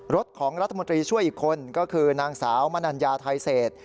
รถของรัฐมนตรีช่วยอีกคนก็คือนางสาวมนัญญาไทยเศษ